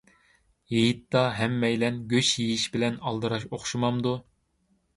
ھېيتتا ھەممەيلەن گۆش يېيىش بىلەن ئالدىراش ئوخشىمامدۇ؟